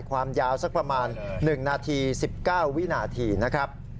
ความยาวสักประมาณ๑นาที๑๙วินาทีนะครับ